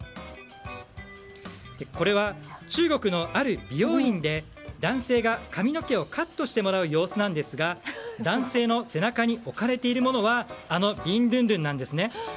これは、中国のある美容院で男性が髪の毛をカットしてもらう様子ですが男性の背中に置かれているものはあのビンドゥンドゥンなんですね。